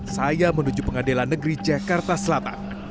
saya menuju pengadilan negeri jakarta selatan